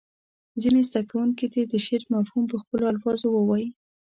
ځینې زده کوونکي دې د شعر مفهوم په خپلو الفاظو ووایي.